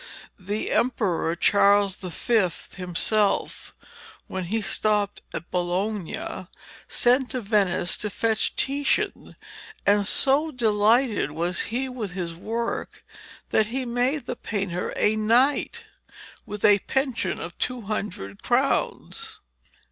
The Emperor Charles V. himself when he stopped at Bologna sent to Venice to fetch Titian, and so delighted was he with his work that he made the painter a knight with a pension of two hundred crowns.